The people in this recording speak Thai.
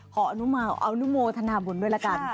อนุโมทนาบุญด้วยละกัน